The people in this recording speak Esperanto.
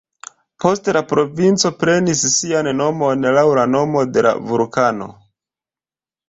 Poste la provinco prenis sian nomon laŭ la nomo de la vulkano.